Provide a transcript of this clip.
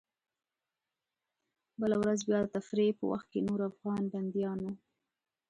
بله ورځ بیا د تفریح په وخت کې نورو افغان بندیانو.